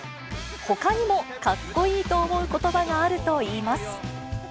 ほかにも、かっこいいと思うことばがあるといいます。